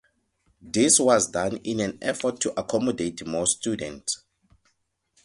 This was done in an effort to accommodate more students.